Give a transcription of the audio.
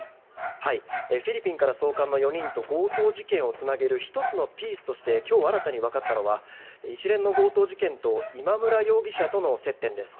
フィリピンから送還の４人と強盗事件をつなげる１つのピースとして今日新たに分かったのは一連の強盗事件と今村容疑者との接点です。